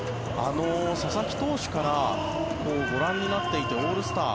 佐々木投手からご覧になっていてオールスター